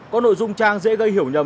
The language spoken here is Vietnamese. có nội dung trang dễ gây hiểu nhầm